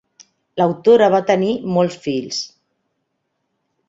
L'autora va tenir molts fills.